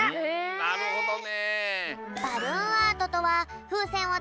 なるほどね。